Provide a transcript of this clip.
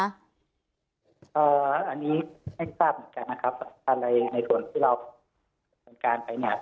อันนี้ไม่ทราบเหมือนกันนะครับ